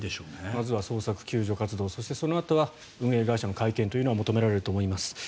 まずは捜索、救助活動そしてそのあとは運営会社の会見が求められると思います。